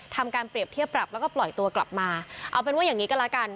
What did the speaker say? ทำการเปรียบเทียบปรับแล้วก็ปล่อยตัวกลับมาเอาเป็นว่าอย่างนี้ก็แล้วกัน